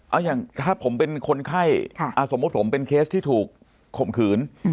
เอาอย่างถ้าผมเป็นคนไข้สมมุติผมเป็นเคสที่ถูกข่มขืน